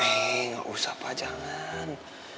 eh gak usah apa jangan